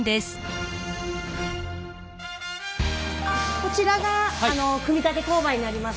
こちらがあの組み立て工場になります。